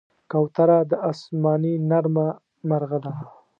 کوتره د آسمان نرمه مرغه ده.